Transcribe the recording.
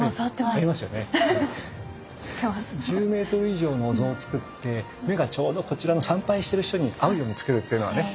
１０ｍ以上のお像を造って目がちょうどこちらの参拝してる人に合うように造るっていうのはね。